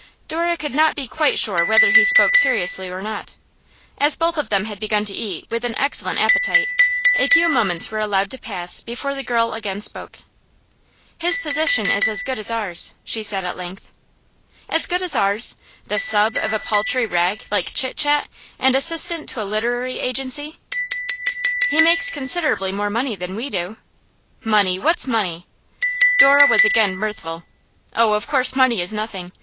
Dora could not be quite sure whether he spoke seriously or not. As both of them had begun to eat with an excellent appetite, a few moments were allowed to pass before the girl again spoke. 'His position is as good as ours,' she said at length. 'As good as ours? The "sub." of a paltry rag like Chit Chat, and assistant to a literary agency!' 'He makes considerably more money than we do.' 'Money! What's money?' Dora was again mirthful. 'Oh, of course money is nothing!